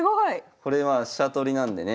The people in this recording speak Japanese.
これは飛車取りなんでね